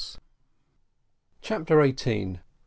CHAPTER EIGHTEEN.